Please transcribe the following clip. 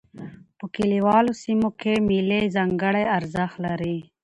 په کلیوالو سیمو کښي مېلې ځانګړی ارزښت لري.